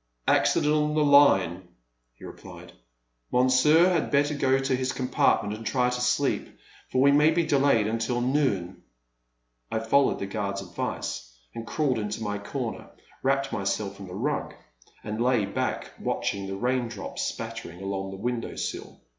Accident on the line,*' he replied; Monsieur had better go to his compartment and try to sleep, for we may be delayed until noon/* I followed the guard's advice, and crawling into my comer, wrapped myself in the rug and lay back watching the rain drops spattering along the window sill.